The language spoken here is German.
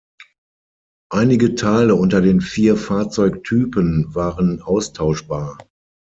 Einige Teile unter den vier Fahrzeugtypen waren austauschbar.